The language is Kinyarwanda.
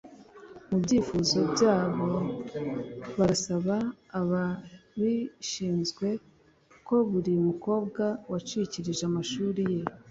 Mu byifuzo byabo barasaba ababishinzwe ko buri mukobwa wacikirije amashuri ye